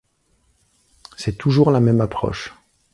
C'est toujours la même approche.